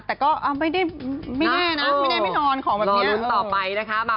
แต่ก็ไม่ได้ไม่แน่นะไม่ได้ไม่นอนของแบบนี้โอ้โฮรอลุ้นต่อไปนะคะ